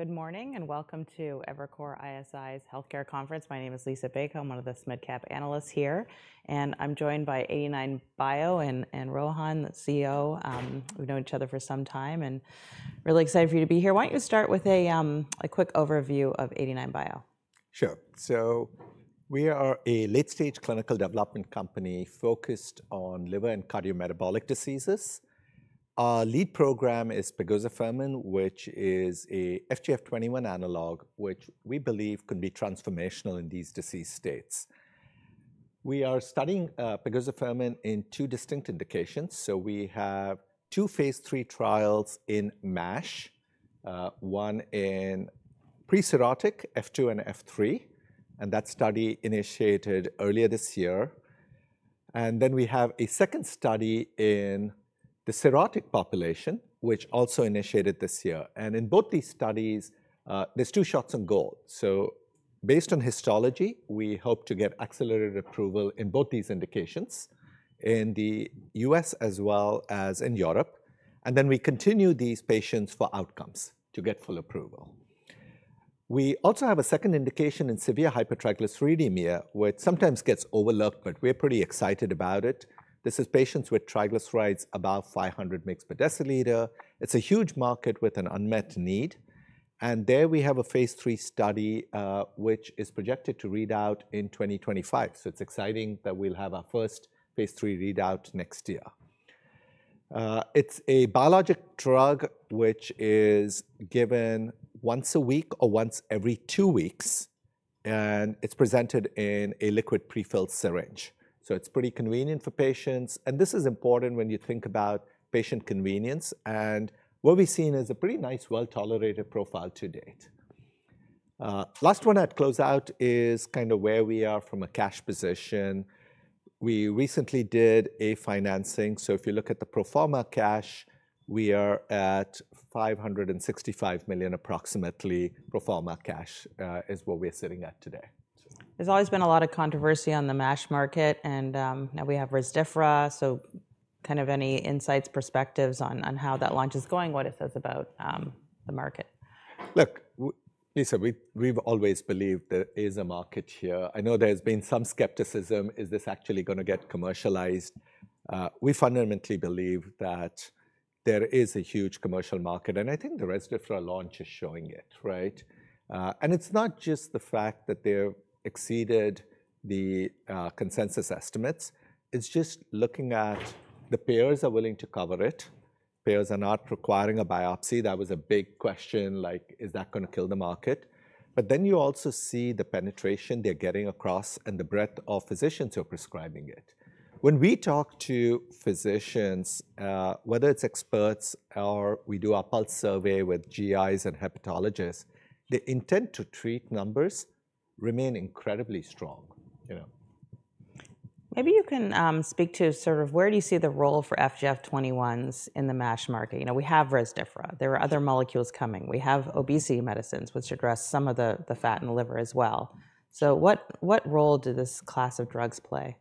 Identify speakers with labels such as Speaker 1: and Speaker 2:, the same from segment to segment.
Speaker 1: Good morning and welcome to Evercore ISI's Healthcare Conference. My name is Liisa Bayko. I'm one of the SMID Cap analysts here, and I'm joined by 89bio and Rohan, the CEO. We've known each other for some time, and really excited for you to be here. Why don't you start with a quick overview of 89bio?
Speaker 2: Sure. So we are a late-stage clinical development company focused on liver and cardiometabolic diseases. Our lead program is pegozafermin, which is an FGF21 analog, which we believe can be transformational in these disease states. We are studying pegozafermin in two distinct indications. So we have two phase III trials in MASH, one in pre-cirrhotic F2 and F3, and that study initiated earlier this year. And then we have a second study in the cirrhotic population, which also initiated this year. And in both these studies, there's two shots on goal. So based on histology, we hope to get accelerated approval in both these indications in the U.S. as well as in Europe. And then we continue these patients for outcomes to get full approval. We also have a second indication in severe hypertriglyceridemia, which sometimes gets overlooked, but we're pretty excited about it. This is patients with triglycerides above 500 mg/dL. It's a huge market with an unmet need. And there we have a phase III study, which is projected to read out in 2025. So it's exciting that we'll have our first phase III readout next year. It's a biologic drug, which is given once a week or once every two weeks, and it's presented in a liquid prefilled syringe. So it's pretty convenient for patients. And this is important when you think about patient convenience. And what we've seen is a pretty nice, well-tolerated profile to date. Last one I'd close out is kind of where we are from a cash position. We recently did a financing. So if you look at the pro forma cash, we are at $565 million approximately. Proforma cash is what we're sitting at today.
Speaker 1: There's always been a lot of controversy on the MASH market, and now we have Rezdiffra. So kind of any insights, perspectives on how that launch is going, what it says about the market?
Speaker 2: Look, Liisa, we've always believed there is a market here. I know there's been some skepticism. Is this actually going to get commercialized? We fundamentally believe that there is a huge commercial market, and I think the Rezdiffra launch is showing it, right? And it's not just the fact that they've exceeded the consensus estimates. It's just looking at the payers are willing to cover it. Payers are not requiring a biopsy. That was a big question, like, is that going to kill the market? But then you also see the penetration they're getting across and the breadth of physicians who are prescribing it. When we talk to physicians, whether it's experts or we do our pulse survey with GIs and hepatologists, the intent to treat numbers remain incredibly strong.
Speaker 1: Maybe you can speak to sort of where do you see the role for FGF21s in the MASH market? You know, we have Rezdiffra. There are other molecules coming. We have obesity medicines, which address some of the fat in the liver as well. So what role do this class of drugs play?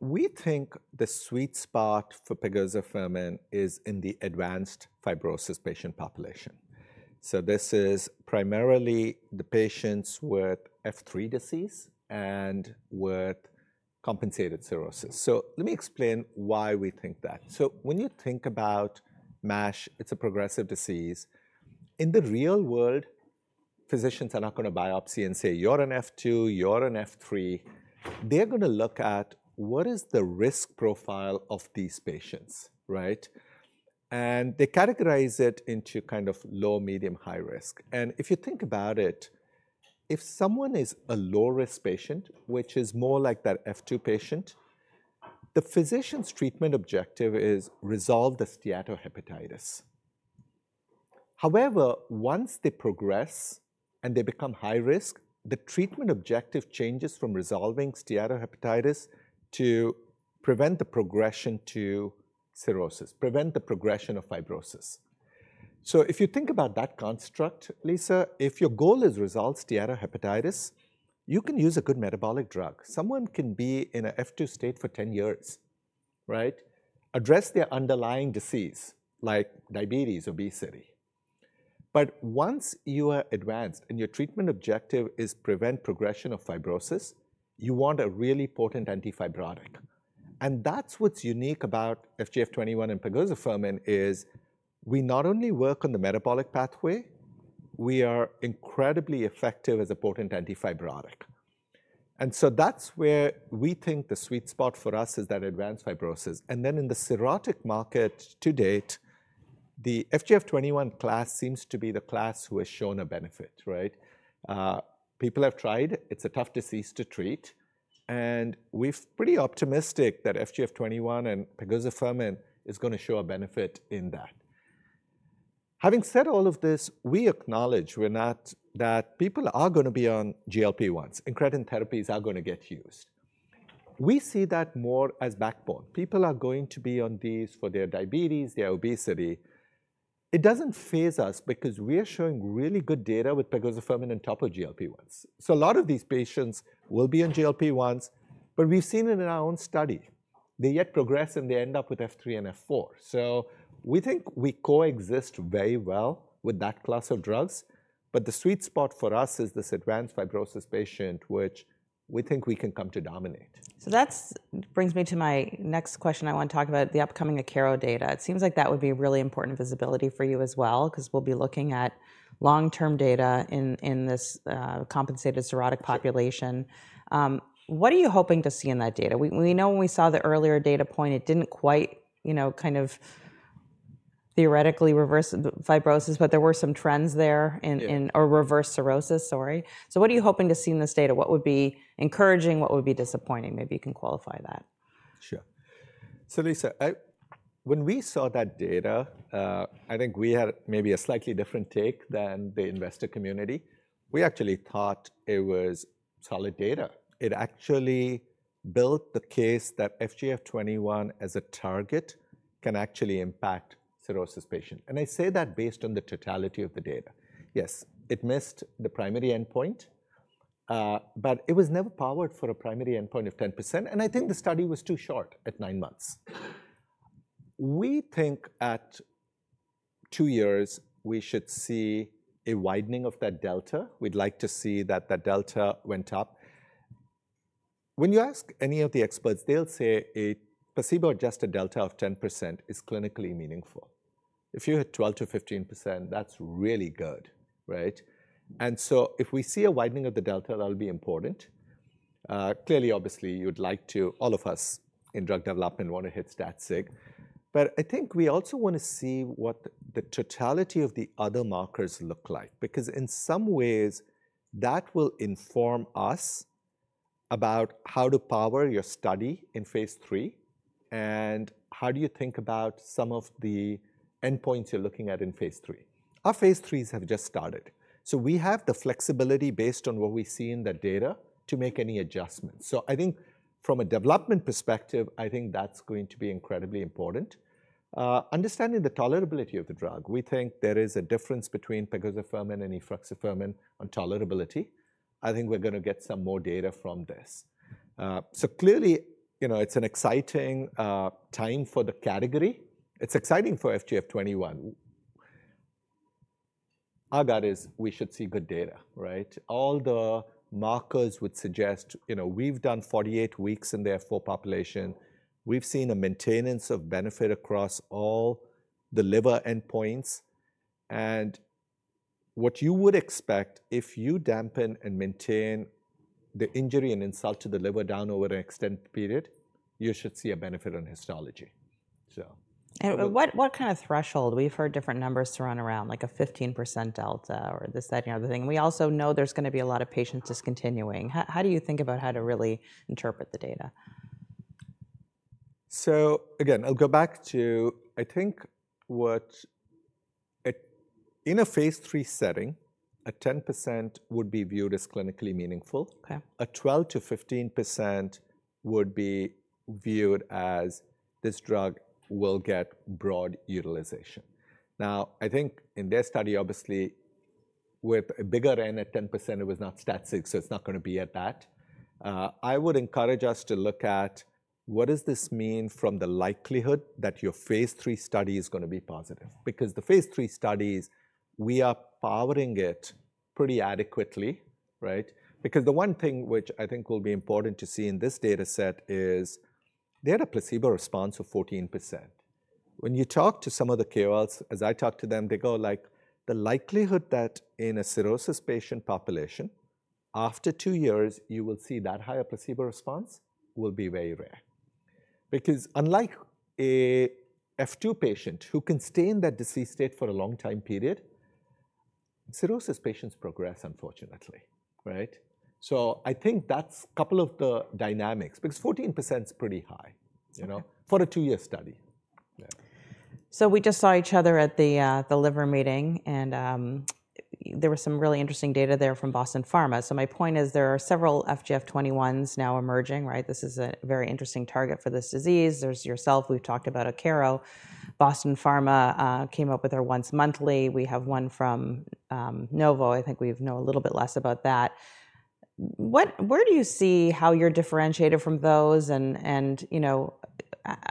Speaker 2: We think the sweet spot for pegozafermin is in the advanced fibrosis patient population. This is primarily the patients with F3 disease and with compensated cirrhosis. Let me explain why we think that. When you think about MASH, it's a progressive disease. In the real world, physicians are not going to biopsy and say, "You're an F2, you're an F3." They're going to look at what is the risk profile of these patients, right? And they categorize it into kind of low, medium, high risk. And if you think about it, if someone is a low-risk patient, which is more like that F2 patient, the physician's treatment objective is to resolve the steatohepatitis. However, once they progress and they become high risk, the treatment objective changes from resolving steatohepatitis to prevent the progression to cirrhosis, prevent the progression of fibrosis. So if you think about that construct, Liisa, if your goal is to resolve steatohepatitis, you can use a good metabolic drug. Someone can be in an F2 state for 10 years, right? Address their underlying disease like diabetes, obesity. But once you are advanced and your treatment objective is to prevent progression of fibrosis, you want a really potent anti-fibrotic. And that's what's unique about FGF21 and pegozafermin is we not only work on the metabolic pathway, we are incredibly effective as a potent anti-fibrotic. And so that's where we think the sweet spot for us is that advanced fibrosis. And then in the cirrhotic market to date, the FGF21 class seems to be the class who has shown a benefit, right? People have tried. It's a tough disease to treat. And we're pretty optimistic that FGF21 and pegozafermin is going to show a benefit in that. Having said all of this, we acknowledge that people are going to be on GLP-1s. Incretin therapies are going to get used. We see that more as backbone. People are going to be on these for their diabetes, their obesity. It doesn't faze us because we are showing really good data with pegozafermin on top of GLP-1s. So a lot of these patients will be on GLP-1s, but we've seen it in our own study. They still progress and they end up with F3 and F4. So we think we coexist very well with that class of drugs. But the sweet spot for us is this advanced fibrosis patient, which we think we can come to dominate.
Speaker 1: So that brings me to my next question. I want to talk about the upcoming Akero data. It seems like that would be really important visibility for you as well, because we'll be looking at long-term data in this compensated cirrhotic population. What are you hoping to see in that data? We know when we saw the earlier data point, it didn't quite, you know, kind of theoretically reverse fibrosis, but there were some trends there in, or reverse cirrhosis, sorry. So what are you hoping to see in this data? What would be encouraging? What would be disappointing? Maybe you can qualify that.
Speaker 2: Sure. So Liisa, when we saw that data, I think we had maybe a slightly different take than the investor community. We actually thought it was solid data. It actually built the case that FGF21 as a target can actually impact cirrhosis patients. And I say that based on the totality of the data. Yes, it missed the primary endpoint, but it was never powered for a primary endpoint of 10%. And I think the study was too short at nine months. We think at two years we should see a widening of that delta. We'd like to see that that delta went up. When you ask any of the experts, they'll say a placebo-adjusted delta of 10% is clinically meaningful. If you had 12%-15%, that's really good, right? And so if we see a widening of the delta, that'll be important. Clearly, obviously, you'd like to, all of us in drug development, want to hit stat-sig. But I think we also want to see what the totality of the other markers look like, because in some ways that will inform us about how to power your study in phase III and how do you think about some of the endpoints you're looking at in phase III. Our phase IIIs have just started. So we have the flexibility based on what we see in the data to make any adjustments. So I think from a development perspective, I think that's going to be incredibly important. Understanding the tolerability of the drug, we think there is a difference between pegozafermin and efruxifermin on tolerability. I think we're going to get some more data from this. So clearly, you know, it's an exciting time for the category. It's exciting for FGF21. Our gut is we should see good data, right? All the markers would suggest, you know, we've done 48 weeks in the F4 population. We've seen a maintenance of benefit across all the liver endpoints, and what you would expect if you dampen and maintain the injury and insult to the liver down over an extended period, you should see a benefit on histology.
Speaker 1: What kind of threshold? We've heard different numbers thrown around, like a 15% delta or this, that, and the other thing. We also know there's going to be a lot of patients discontinuing. How do you think about how to really interpret the data?
Speaker 2: So again, I'll go back to, I think what in a phase III setting, a 10% would be viewed as clinically meaningful. A 12%-15% would be viewed as this drug will get broad utilization. Now, I think in their study, obviously, with a bigger N at 10%, it was not stat-sig, so it's not going to be at that. I would encourage us to look at what does this mean from the likelihood that your phase III study is going to be positive, because the phase III studies, we are powering it pretty adequately, right? Because the one thing which I think will be important to see in this data set is they had a placebo response of 14%. When you talk to some of the KOLs, as I talk to them, they go like, the likelihood that in a cirrhosis patient population, after two years, you will see that higher placebo response will be very rare. Because unlike an F2 patient who can stay in that disease state for a long time period, cirrhosis patients progress, unfortunately, right? So I think that's a couple of the dynamics, because 14% is pretty high, you know, for a two-year study.
Speaker 1: So we just saw each other at the liver meeting, and there was some really interesting data there from Boston Pharma. So my point is there are several FGF21s now emerging, right? This is a very interesting target for this disease. There's yourself. We've talked about Akero. Boston Pharma came up with their once monthly. We have one from Novo. I think we know a little bit less about that. Where do you see how you're differentiated from those? And, you know,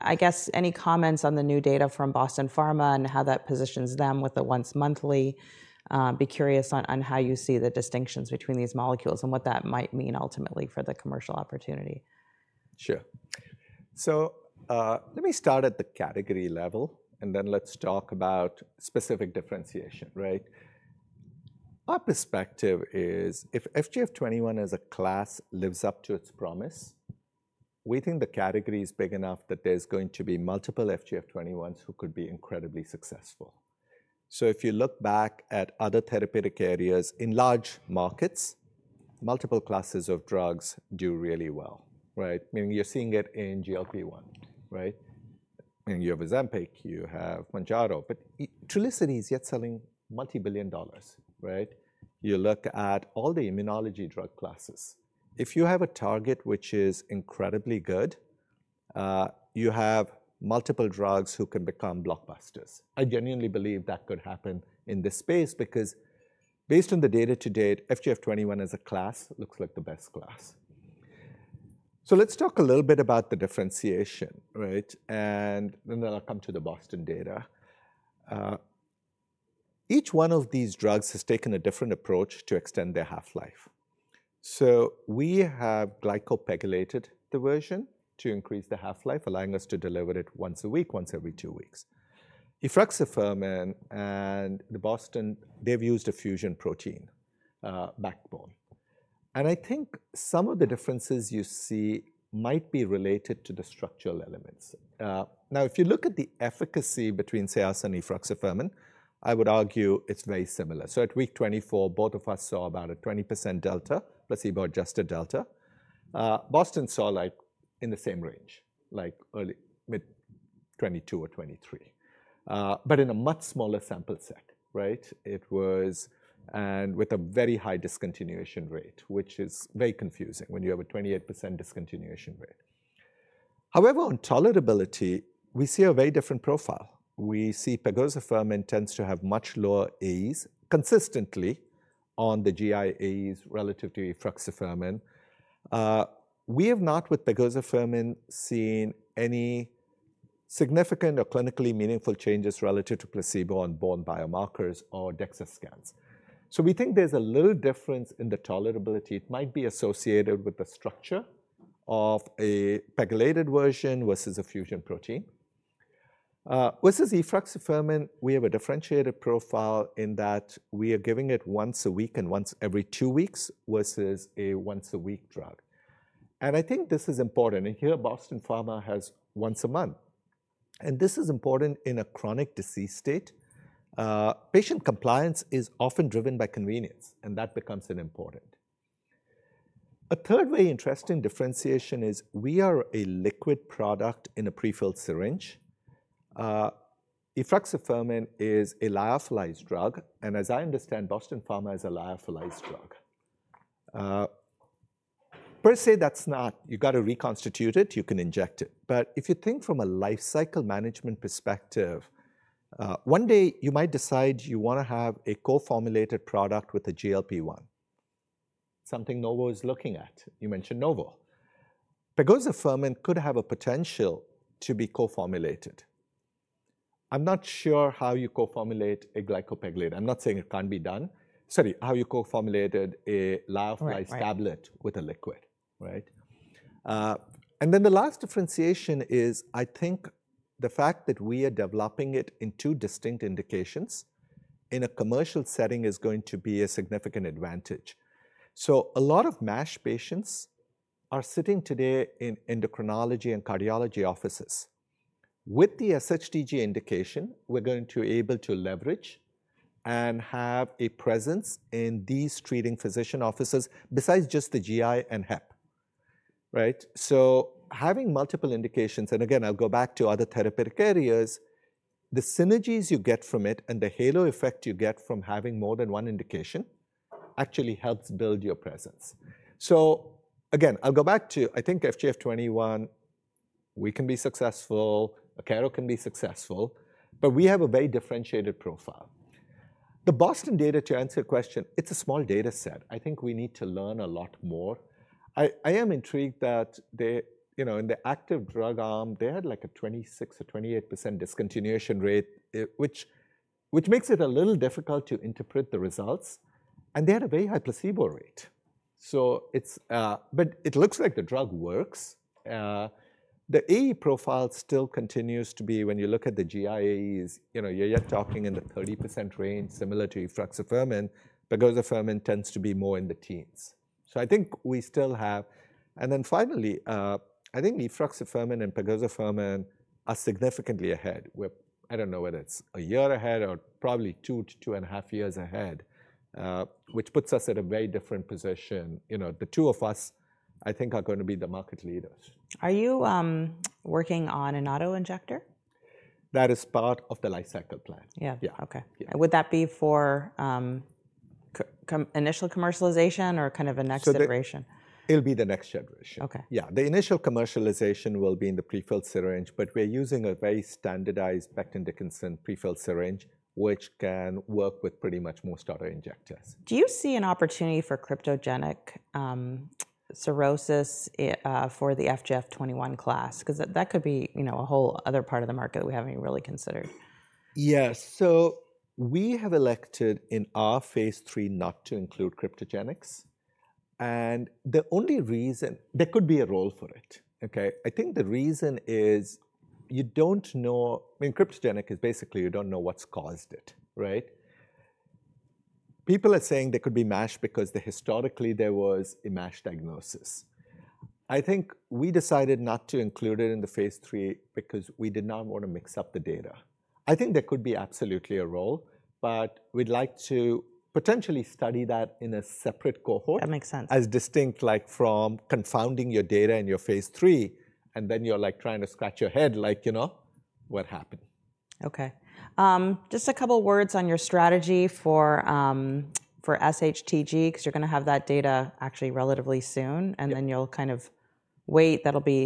Speaker 1: I guess any comments on the new data from Boston Pharma and how that positions them with the once monthly? Be curious on how you see the distinctions between these molecules and what that might mean ultimately for the commercial opportunity.
Speaker 2: Sure. So let me start at the category level, and then let's talk about specific differentiation, right? Our perspective is if FGF21 as a class lives up to its promise, we think the category is big enough that there's going to be multiple FGF21s who could be incredibly successful. So if you look back at other therapeutic areas in large markets, multiple classes of drugs do really well, right? Meaning you're seeing it in GLP-1, right? And you have Ozempic, you have Mounjaro, but Trulicity is yet selling multi-billion dollars, right? You look at all the immunology drug classes. If you have a target which is incredibly good, you have multiple drugs who can become blockbusters. I genuinely believe that could happen in this space because based on the data to date, FGF21 as a class looks like the best class. So let's talk a little bit about the differentiation, right? And then I'll come to the Boston data. Each one of these drugs has taken a different approach to extend their half-life. So we have glycopegylated the version to increase the half-life, allowing us to deliver it once a week, once every two weeks. efruxifermin and the Boston, they've used a fusion protein backbone. And I think some of the differences you see might be related to the structural elements. Now, if you look at the efficacy between, say, us and efruxifermin, I would argue it's very similar. So at week 24, both of us saw about a 20% delta, placebo-adjusted delta. Boston saw like in the same range, like early mid-22 or 23, but in a much smaller sample set, right? It was, and with a very high discontinuation rate, which is very confusing when you have a 28% discontinuation rate. However, on tolerability, we see a very different profile. We see pegozafermin tends to have much lower AEs consistently on the GI AEs relative to efruxifermin. We have not, with pegozafermin, seen any significant or clinically meaningful changes relative to placebo on bone biomarkers or DEXA scans, so we think there's a little difference in the tolerability. It might be associated with the structure of a pegylated version versus a fusion protein versus efruxifermin; we have a differentiated profile in that we are giving it once a week and once every two weeks versus a once-a-week drug, and I think this is important, and here Boston Pharma has once a month, and this is important in a chronic disease state. Patient compliance is often driven by convenience, and that becomes important. A third very interesting differentiation is we are a liquid product in a prefilled syringe. efruxifermin is a lyophilized drug, and as I understand, Boston Pharma is a lyophilized drug. Per se, that's not. You got to reconstitute it. You can inject it. But if you think from a life cycle management perspective, one day you might decide you want to have a co-formulated product with a GLP-1, something Novo is looking at. You mentioned Novo. pegozafermin could have a potential to be co-formulated. I'm not sure how you co-formulate a glycopegylated. I'm not saying it can't be done. Sorry, how you co-formulated a lyophilized tablet with a liquid, right? And then the last differentiation is I think the fact that we are developing it in two distinct indications in a commercial setting is going to be a significant advantage. So a lot of MASH patients are sitting today in endocrinology and cardiology offices. With the SHTG indication, we're going to be able to leverage and have a presence in these treating physician offices besides just the GI and Hep, right? So having multiple indications, and again, I'll go back to other therapeutic areas, the synergies you get from it and the halo effect you get from having more than one indication actually helps build your presence. So again, I'll go back to, I think FGF21, we can be successful, Akero can be successful, but we have a very differentiated profile. The Boston data to answer your question, it's a small data set. I think we need to learn a lot more. I am intrigued that they, you know, in the active drug arm, they had like a 26 or 28% discontinuation rate, which makes it a little difficult to interpret the results. And they had a very high placebo rate. So it's, but it looks like the drug works. The AE profile still continues to be, when you look at the GI AEs, you know, you're yet talking in the 30% range, similar to efruxifermin. pegozafermin tends to be more in the teens. So I think we still have, and then finally, I think efruxifermin and pegozafermin are significantly ahead. I don't know whether it's a year ahead or probably two to two and a half years ahead, which puts us at a very different position. You know, the two of us, I think, are going to be the market leaders.
Speaker 1: Are you working on an autoinjector?
Speaker 2: That is part of the life cycle plan.
Speaker 1: Yeah. Okay. Would that be for initial commercialization or kind of a next generation?
Speaker 2: It'll be the next generation.
Speaker 1: Okay.
Speaker 2: Yeah. The initial commercialization will be in the prefilled syringe, but we're using a very standardized Becton Dickinson prefilled syringe, which can work with pretty much most autoinjectors.
Speaker 1: Do you see an opportunity for cryptogenic cirrhosis for the FGF21 class? Because that could be, you know, a whole other part of the market that we haven't really considered.
Speaker 2: Yes, so we have elected in our phase III not to include cryptogenic. The only reason there could be a role for it, okay? I think the reason is you don't know. I mean, cryptogenic is basically you don't know what's caused it, right? People are saying there could be MASH because historically there was a MASH diagnosis. I think we decided not to include it in the phase III because we did not want to mix up the data. I think there could be absolutely a role, but we'd like to potentially study that in a separate cohort.
Speaker 1: That makes sense.
Speaker 2: As distinct, like, from confounding your data in your phase III, and then you're like trying to scratch your head, like, you know, what happened?
Speaker 1: Okay. Just a couple of words on your strategy for SHTG, because you're going to have that data actually relatively soon, and then you'll kind of wait. That'll be,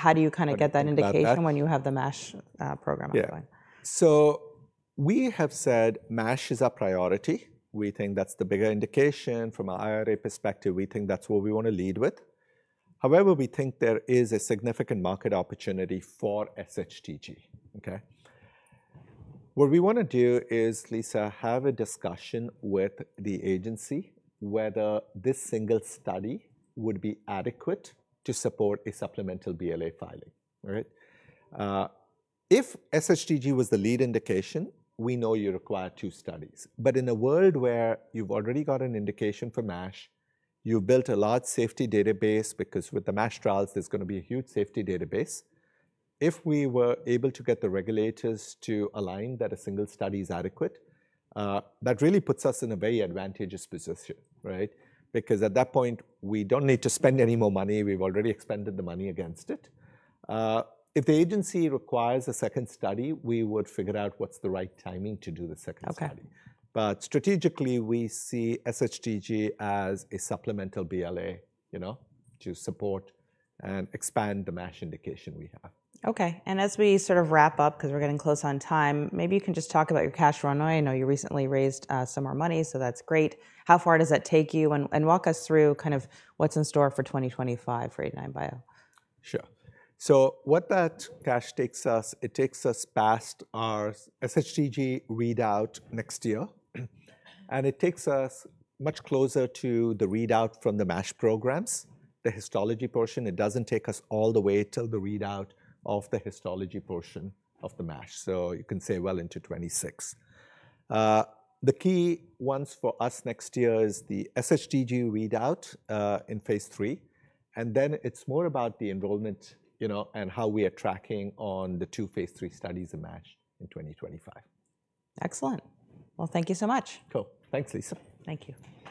Speaker 1: how do you kind of get that indication when you have the MASH program going?
Speaker 2: Yeah. So we have said MASH is our priority. We think that's the bigger indication from our IRA perspective. We think that's what we want to lead with. However, we think there is a significant market opportunity for SHTG, okay? What we want to do is, Liisa, have a discussion with the agency whether this single study would be adequate to support a supplemental BLA filing, right? If SHTG was the lead indication, we know you require two studies. But in a world where you've already got an indication for MASH, you've built a large safety database, because with the MASH trials, there's going to be a huge safety database. If we were able to get the regulators to align that a single study is adequate, that really puts us in a very advantageous position, right? Because at that point, we don't need to spend any more money. We've already expended the money against it. If the agency requires a second study, we would figure out what's the right timing to do the second study. But strategically, we see SHTG as a supplemental BLA, you know, to support and expand the MASH indication we have.
Speaker 1: Okay. And as we sort of wrap up, because we're getting close on time, maybe you can just talk about your cash runway. I know you recently raised some more money, so that's great. How far does that take you? And walk us through kind of what's in store for 2025 for 89bio?
Speaker 2: Sure. So what that cash takes us, it takes us past our SHTG readout next year. And it takes us much closer to the readout from the MASH programs, the histology portion. It doesn't take us all the way till the readout of the histology portion of the MASH. So you can say well into 26. The key ones for us next year is the SHTG readout in phase III. And then it's more about the enrollment, you know, and how we are tracking on the two phase III studies of MASH in 2025.
Speaker 1: Excellent. Well, thank you so much.
Speaker 2: Cool. Thanks, Liisa.
Speaker 1: Thank you.